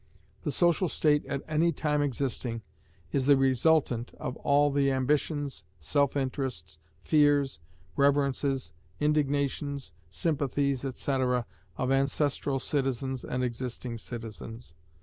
The social state at any time existing, is the resultant of all the ambitions, self interests, fears, reverences, indignations, sympathies, &c., of ancestral citizens and existing citizens.